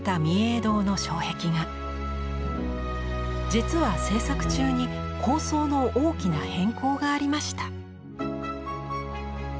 実は制作中に構想の大きな変更がありました。